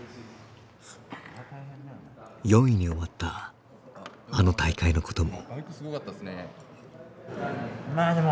４位に終わったあの大会のことも。